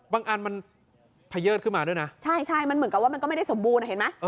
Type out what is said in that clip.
อันมันพะเยิดขึ้นมาด้วยนะใช่ใช่มันเหมือนกับว่ามันก็ไม่ได้สมบูรณอ่ะเห็นไหม